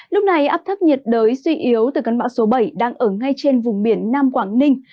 lúc này áp thấp nhiệt đới suy yếu từ cơn bão số bảy đang ở ngay trên vùng biển nam quảng ninh